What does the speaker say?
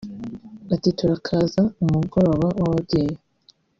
Ati “Turakaza umugoroba w’ababyeyi